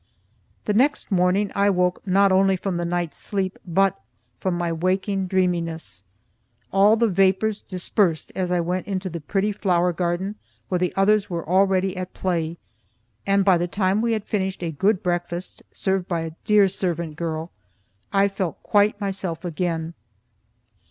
The next morning, I woke not only from the night's sleep, but from my waking dreaminess. All the vapors dispersed as I went into the pretty flower garden where the others were already at play, and by the time we had finished a good breakfast, served by a dear servant girl, I felt quite myself again.